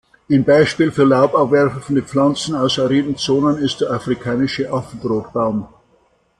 Ein Beispiel für laubabwerfende Pflanzen aus ariden Zonen ist der afrikanische Affenbrotbaum.